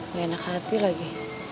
nggak enak hati lagi